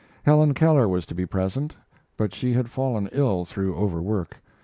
Helen Keller was to be present, but she had fallen ill through overwork.